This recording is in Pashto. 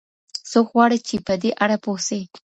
څوک غواړي چي په دې اړه پوه سي؟